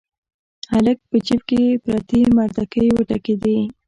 هلک په جيب کې پرتې مردکۍ وټکېدې.